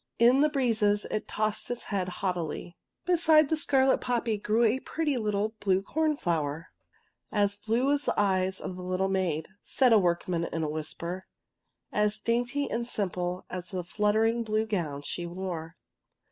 In the breezes it tossed its head haughtily. Beside the scarlet poppy grew a pretty little blue corn flower. *^ As blue as the eyes of the little maid," said the workmen in a whisper. '^ As dainty and simple as the fluttering blue gown she wore!